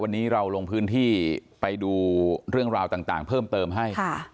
วันนี้เราลงพื้นที่ไปดูเรื่องราวต่างเพิ่มเติมให้